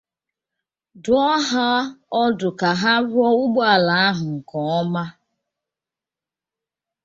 dụọ ha ọdụ ka ha rụọ ụgbọala ha nke ọma